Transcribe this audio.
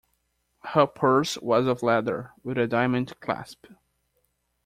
Her purse was of leather, with a diamante clasp.